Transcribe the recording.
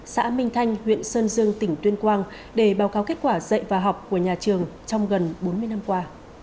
xã minh thanh huyện sơn dương tỉnh tuyên quang để báo cáo kết quả dạy và học của nhà trường trong gần bốn mươi năm qua